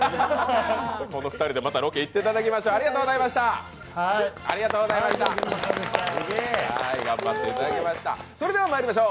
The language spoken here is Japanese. この２人でロケまた行っていただきましょう。